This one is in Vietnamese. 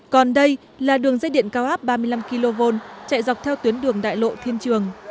còn đây là đường dây điện cao áp ba mươi năm kv chạy dọc theo tuyến đường đại lộ thiên trường